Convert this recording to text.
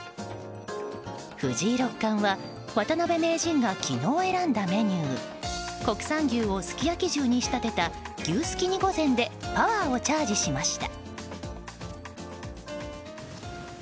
藤井六冠は渡辺名人が昨日選んだメニュー国産牛をすき焼き重に仕立てた牛すき煮御膳でパワーをチャージしました。